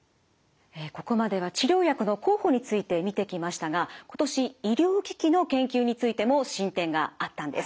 ここまでは治療薬の候補について見てきましたが今年医療機器の研究についても進展があったんです。